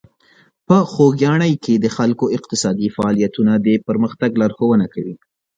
په خوږیاڼي کې د خلکو اقتصادي فعالیتونه د پرمختګ لارښوونه کوي.